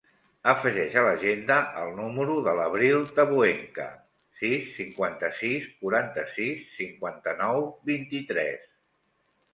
Afegeix a l'agenda el número de l'Avril Tabuenca: sis, cinquanta-sis, quaranta-sis, cinquanta-nou, vint-i-tres.